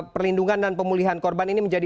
perlindungan dan pemulihan korban ini menjadi